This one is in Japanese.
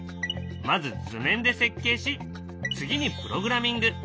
まず図面で設計し次にプログラミング。